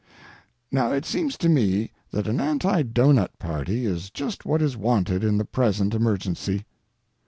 Now it seems to me that an Anti Doughnut party is just what is wanted in the present emergency.